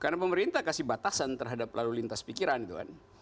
karena pemerintah kasih batasan terhadap lalu lintas pikiran itu kan